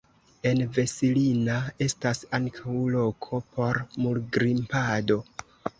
En Vesilinna estas ankaŭ loko por murgrimpado.